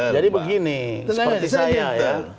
jadi begini seperti saya ya